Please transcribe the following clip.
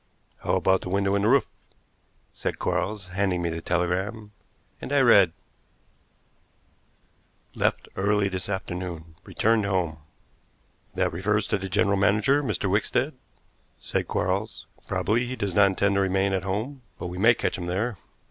"How about the window in the roof?" said Quarles, handing me the telegram, and I read: "Left early this afternoon; returned home." "That refers to the general manager, Mr. Wickstead," said Quarles. "Probably he does not intend to remain at home, but we may catch him there.